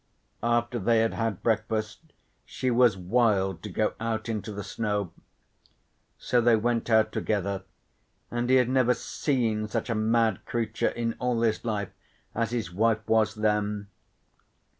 After they had had breakfast she was wild to go out into the snow. So they went out together, and he had never seen such a mad creature in all his life as his wife was then.